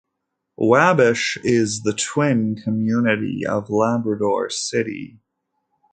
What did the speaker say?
Wabush is the twin community of Labrador City.